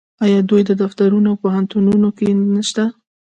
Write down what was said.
آیا دوی په دفترونو او پوهنتونونو کې نشته؟